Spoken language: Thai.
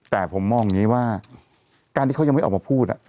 แต่ผมมองอย่างนี้ว่าการที่เขายังไม่ออกมาพูด